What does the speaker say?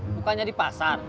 bukannya di pasar